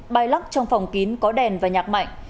bay lắc trong phòng kín có đèn và nhạc mạnh